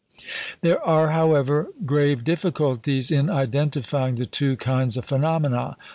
There are, however, grave difficulties in identifying the two kinds of phenomena.